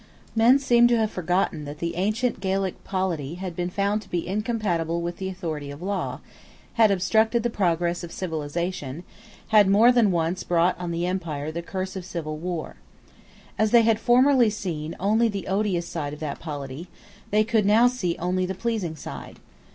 Men seemed to have forgotten that the ancient Gaelic polity had been found to be incompatible with the authority of law, had obstructed the progress of civilisation, had more than once brought on the empire the curse of civil war. As they had formerly seen only the odious side of that polity, they could now see only the pleasing side.